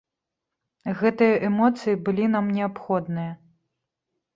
Гэтыя эмоцыі былі нам неабходныя.